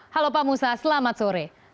halo pak musa selamat sore